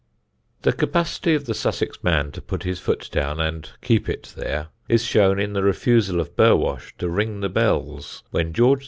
The capacity of the Sussex man to put his foot down and keep it there, is shown in the refusal of Burwash to ring the bells when George IV.